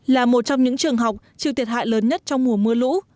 là một trong những trường học chịu thiệt hại lớn nhất trong mùa mưa lũ